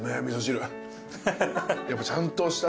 やっぱちゃんとした。